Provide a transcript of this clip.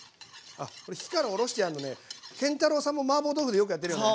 あっ火からおろしてやるのね建太郎さんもマーボー豆腐でよくやってるよね。